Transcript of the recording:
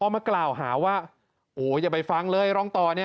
อ้อมกล่าวหาว่าโอ๊ยอย่าไปฟังเลยรองตอนี่